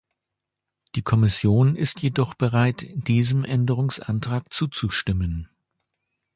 Die Kommission ist jedoch bereit, diesem Änderungsantrag zuzustimmen.